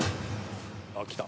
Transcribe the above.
あっ来た。